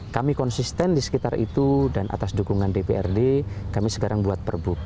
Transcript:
kami konsisten di sekitar itu dan atas dukungan dprd kami sekarang buat perbuk